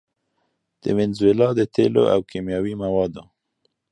د وينزويلا د تېلو او کيمياوي موادو